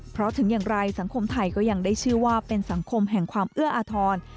เพราะถึงอย่างไรสังคมไทยก็ยังได้ชื่อว่าเป็นสังคมแห่งความเอื้ออาทร